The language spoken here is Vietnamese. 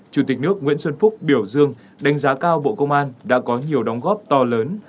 chủ tịch nước nguyễn xuân phúc biểu dương đánh giá cao bộ công an đã có nhiều đóng góp to lớn